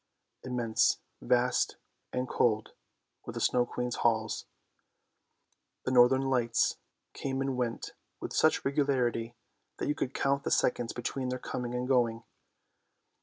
Immense, vast, and cold were the Snow Queen's halls. The northern lights came and went with such regularity that you could count the seconds between their coming and going.